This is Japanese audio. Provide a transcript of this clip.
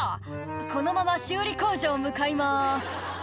「このまま修理工場向かいます」